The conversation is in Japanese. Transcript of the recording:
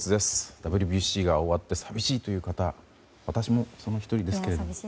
ＷＢＣが終わって寂しいという方私もその１人ですが。